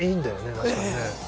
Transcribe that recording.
確かにね。